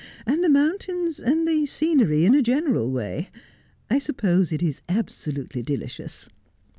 and the mountains, and the scenery in a general way ! I suppose it is absolutely delicious.'